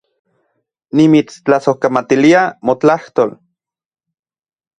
Nimitstlasojkamatilia motlajtol